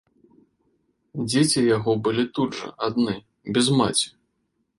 Дзеці яго былі тут жа, адны, без маці.